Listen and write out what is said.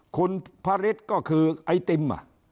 คุณพระฤทธิ์ก็คือไอติม